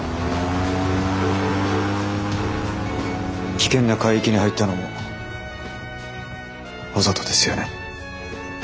危険な海域に入ったのもわざとですよね？